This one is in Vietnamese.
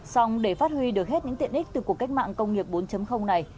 xong để phát huy được hết những tiện ích từ cuộc cách mạng công nghiệp bốn này